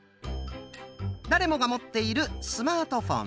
誰もが持っているスマートフォン。